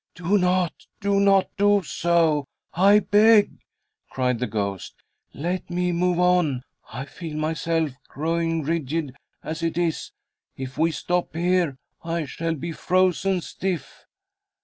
"Do not! Do not do so, I beg!" cried the ghost. "Let me move on. I feel myself growing rigid as it is. If we stop here, I shall be frozen stiff."